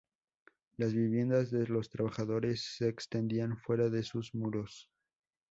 Las viviendas de los trabajadores se extendían fuera de sus muros.